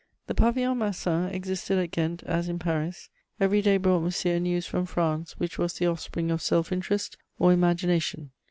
* The Pavillon Marsan existed at Ghent as in Paris. Every day brought Monsieur news from France which was the offspring of self interest or imagination.